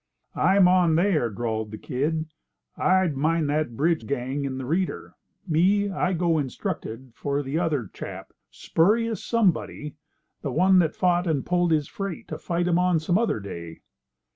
"I'm on there," drawled the Kid; "I mind that bridge gang in the reader. Me, I go instructed for the other chap—Spurious Somebody—the one that fought and pulled his freight, to fight 'em on some other day."